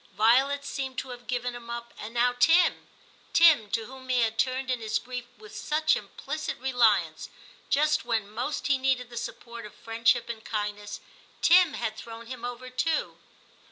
Violet seemed to have given him up, and now Tim — Tim, to whom he had turned in his grief with such implicit reliance, — just when most he needed the support of friendship and kindness, Tim had thrown him over too.